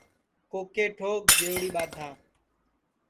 کوکے ٹھوک جئوڑی بادھاں